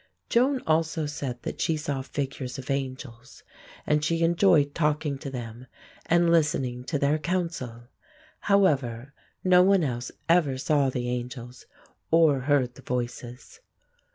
Joan also said that she saw figures of angels, and she enjoyed talking to them and listening to their counsel. However, no one else ever saw the angels or heard the Voices.